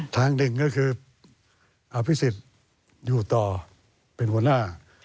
ทางหนึ่งก็คืออภิษฎอยู่ต่อเป็นหัวหน้า